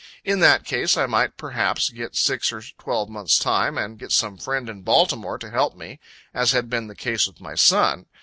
In that case, I might perhaps get six or twelve months time, and get some friend in Baltimore to help me, as had been the case with my son.